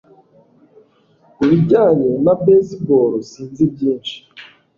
Ku bijyanye na baseball sinzi byinshi